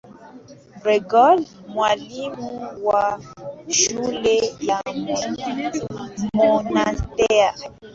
Gregori, mwalimu wa shule ya monasteri.